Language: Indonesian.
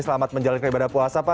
selamat menjalani ribadah puasa pak